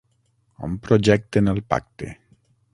On projecten El pacte?